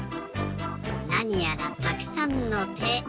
なにやらたくさんのて。